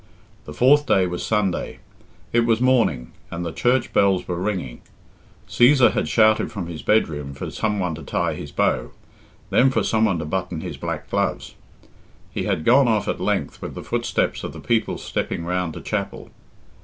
The fourth day was Sunday. It was morning, and the church bells were ringing. Cæsar had shouted from his bedroom for some one to tie his bow, then for some one to button his black gloves. He had gone off at length with the footsteps of the people stepping round to chapel.